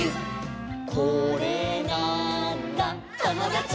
「これなーんだ『ともだち！』」